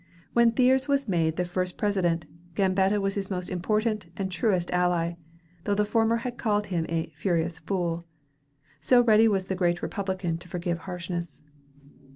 When Thiers was made the first President, Gambetta was his most important and truest ally, though the former had called him "a furious fool"; so ready was the Great Republican to forgive harshness.